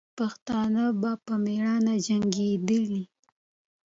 پښتانه به په میړانه جنګېدلې.